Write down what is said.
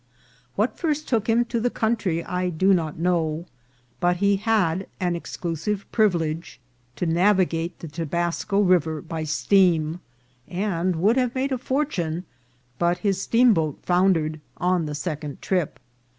What first took him to the country I do not know ; but he had an exclusive privilege to navigate the Tobasco River by steam, and would have made a fortune, but his steamboat founder ed on the second trip.